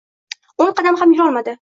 O‘n qadam ham yurolmadi.